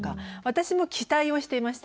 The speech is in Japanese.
私も期待をしていました。